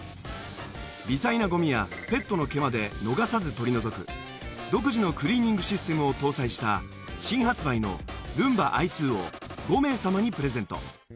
微細なゴミやペットの毛まで逃さず取り除く独自のクリーニングシステムを搭載した新発売のＲｏｏｍｂａｉ２を５名様にプレゼント。